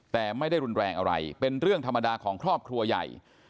แต่ไม่ได้รุนแรงอะไรเป็นเรื่องธรรมดาของครอบครัวใหญ่